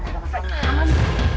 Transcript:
kamu bisa dengar